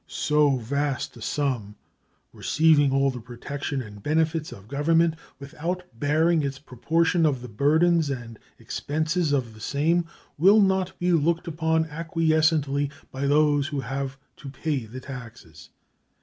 So vast a sum, receiving all the protection and benefits of Government without bearing its proportion of the burdens and expenses of the same, will not be looked upon acquiescently by those who have to pay the taxes.